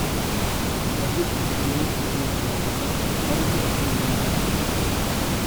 La petite y court, pour me plaire, dans le costume des nymphes.